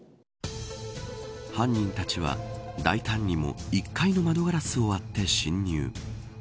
犯人たちは大胆にも１階の窓ガラスを割って侵入。